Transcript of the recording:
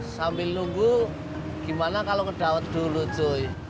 sambil nunggu gimana kalau ngedawat dulu cuy